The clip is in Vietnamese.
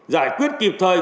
giải quyết kịp thời